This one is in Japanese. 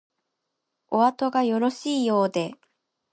おあとがよろしいようで